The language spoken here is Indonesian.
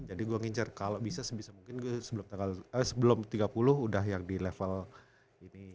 jadi gue ngincar kalau bisa sebisa mungkin gue sebelum tanggal eh sebelum tiga puluh udah yang di level ini